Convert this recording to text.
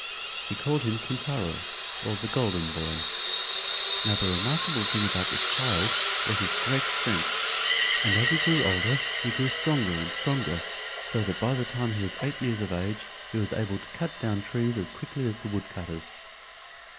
She called him Kintaro or the Golden Boy. Now the remarkable thing about this child was his great strength, and as he grew older he grew stronger and stronger, so that by the time he was eight years of age he was able to cut down trees as quickly as the woodcutters.